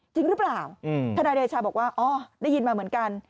จริงหรือเปล่าทนายเดชาบอกว่าอ๋อได้ยินมาเหมือนกัน